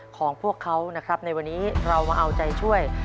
ของพวกเขานะครับในวันนี้เรามาเอาใจช่วย